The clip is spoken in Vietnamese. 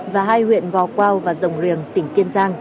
và hai huyện gò quao và rồng riềng tỉnh kiên giang